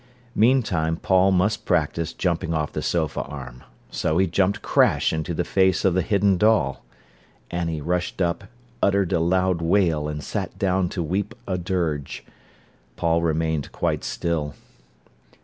Meantime Paul must practise jumping off the sofa arm. So he jumped crash into the face of the hidden doll. Annie rushed up, uttered a loud wail, and sat down to weep a dirge. Paul remained quite still.